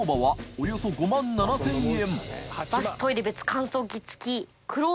およそ５万７０００円」